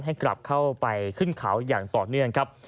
ให้กลับเข้าไปขึ้นเขาอย่างต่อเนื่องครับ